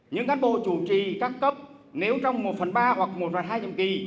những cán bộ chủ trì các cấp nếu trong một phần ba hoặc một phần hai nhiệm kỳ